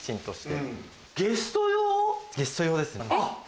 ゲスト用ですね。